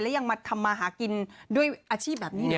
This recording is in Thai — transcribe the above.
และยังมาทำมาหากินด้วยอาชีพแบบนี้นะ